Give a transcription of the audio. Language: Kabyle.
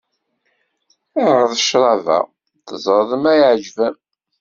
Ԑreḍ ccrab-a, teẓreḍ ma iεǧeb-am.